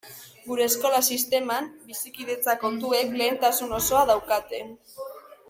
Gure eskola sisteman bizikidetza kontuek lehentasun osoa daukate.